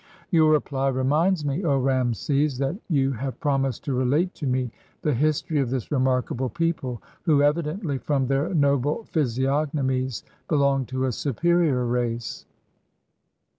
"Your reply reminds me, O Rameses, that you have promised to relate to me the history of this remarkable people, who evidently, from their noble physiognomies, belong to a superior race."